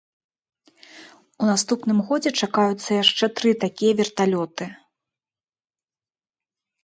У наступным годзе чакаюцца яшчэ тры такія верталёты.